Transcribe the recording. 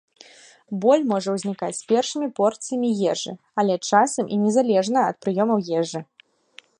Боль можа ўзнікаць з першымі порцыямі ежы, але часам і незалежна ад прыёмаў ежы.